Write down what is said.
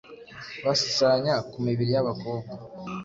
bashushanya ku mibiri y’abakobwa